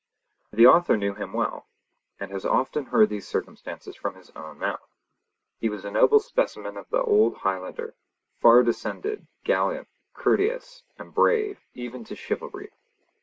The Author knew him well, and has often heard these circumstances from his own mouth. He was a noble specimen of the old Highlander, far descended, gallant, courteous, and brave, even to chivalry.